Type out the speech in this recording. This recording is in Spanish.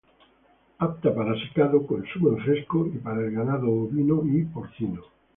Apta para secado, consumo en fresco y para el ganado ovino y porcino.